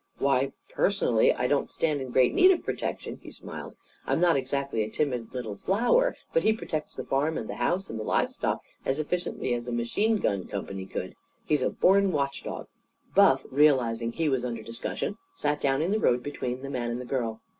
"Why, personally, I don't stand in any great need of protection," he smiled. "I'm not exactly a timid little flower. But he protects the farm and the house and the livestock as efficiently as a machine gun company could. He's a born watchdog." Buff, realising he was under discussion, sat down in the road between the man and the girl.